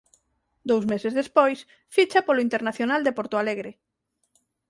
Dous meses despois ficha polo Internacional de Porto Alegre.